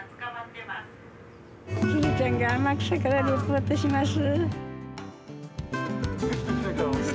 ツルちゃんが天草からリポートします。